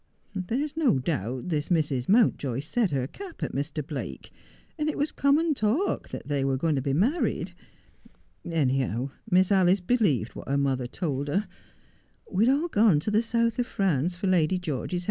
There's no doubt this Mrs. Mount] oy set her cap at Mr. Blake, and it was common talk that they were going to be married. Anyhow, Mi:/s Alice believed what her mother told he) . We had all gone to the South of France for Lady George's 274 Just as I Am.